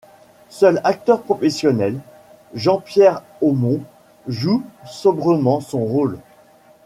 Seul acteur professionnel, Jean-Pierre Aumont joue sobrement son rôle.